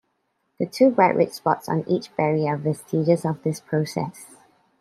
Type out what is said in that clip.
The two bright red spots on each berry are vestiges of this process.